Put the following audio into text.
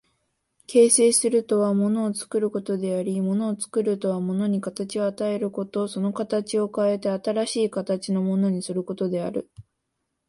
形成するとは物を作ることであり、物を作るとは物に形を与えること、その形を変えて新しい形のものにすることである。